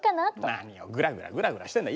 何をグラグラグラグラしてるんだ。